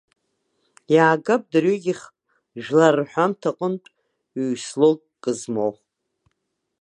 Иаагап, дырҩегьых жәлар рҳәамҭа аҟнытәи ҩ-слогк змоу.